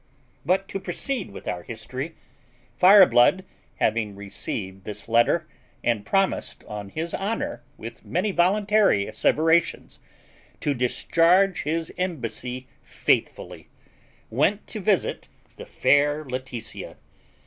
But to proceed with our history; Fireblood, having received this letter, and promised on his honour, with many voluntary asseverations, to discharge his embassy faithfully, went to visit the fair Laetitia.